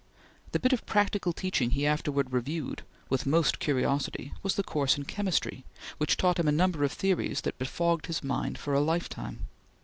The bit of practical teaching he afterwards reviewed with most curiosity was the course in Chemistry, which taught him a number of theories that befogged his mind for a lifetime.